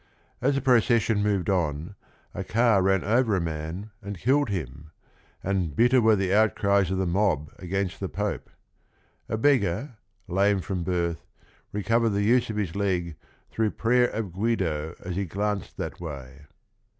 As the procession moved nng, par ran nvpr a. rnjmjmrHrillprl him, " and 45itter were the outcries of the mob against the Pope." A beggar, lame froSPbir th, rec overed the use of his leg "through prayer of Guido as he glanced that way."